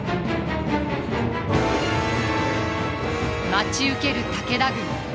待ち受ける武田軍。